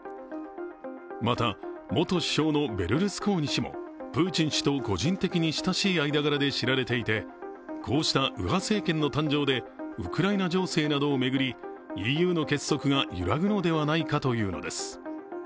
また、元首相のベルルスコーニ氏もプーチン氏と個人的に親しい間柄で知られていてこうした右派政権の誕生でウクライナ情勢などを巡りＥＵの結束が揺らぐのではないかというのです。